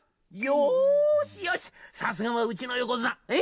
「よーしよしさすがは、うちの横綱！え！？